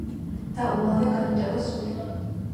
და უმალვე განუტევა სული.